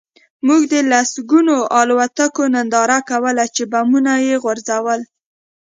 موږ د لسګونو الوتکو ننداره کوله چې بمونه یې غورځول